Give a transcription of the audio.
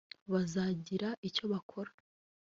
bazagira icyo bakora